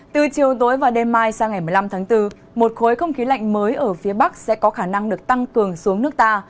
từ chiều tối và đêm mai sang ngày một mươi năm tháng bốn một khối không khí lạnh mới ở phía bắc sẽ có khả năng được tăng cường xuống nước ta